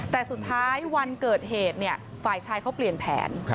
แต่สุดท้ายวันเกิดเหตุฝ่ายชายเขาเปลี่ยนแผน